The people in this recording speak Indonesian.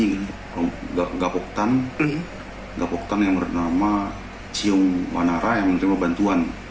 ini gapoktan gapoktan yang bernama ciung manara yang menerima bantuan